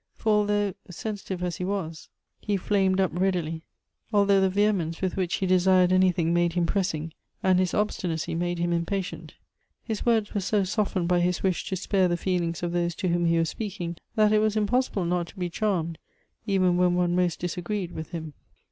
For although, sensitive as he waSj^ hej|amed~ up readily'— although the vehemence with which he desired anythiiig~made him pressing, and his obstinacy made him impatient — his words were so softened by his wish to spare the feelings of those to whom he was speaking, that it was impossible not to be charmed, even when one most disagreed, with him.